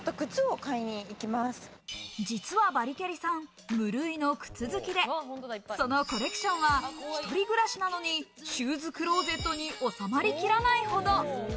実はバリキャリさん、無類の靴好きで、そのコレクションは、一人暮らしなのに、シューズクローゼットに収まりきらないほど。